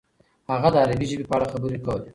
هغه د عربي ژبې په اړه خبرې کولې.